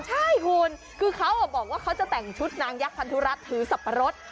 ใช่คุณคือเขาบอกว่าเขาจะแต่งชุดนางยักษ์พันธุรัฐถือสับปะรด